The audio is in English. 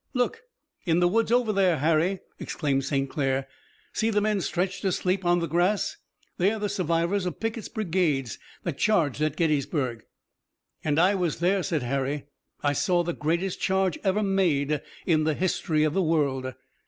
"Look! In the woods over there, Harry!" exclaimed St. Clair. "See the men stretched asleep on the grass! They're the survivors of Pickett's brigades that charged at Gettysburg." "And I was there!" said Harry. "I saw the greatest charge ever made in the history of the world!"